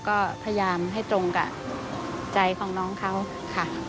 ก็พยายามให้ตรงกับใจของน้องเขาค่ะ